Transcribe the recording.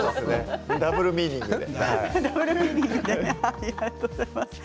ダブルミーニングで。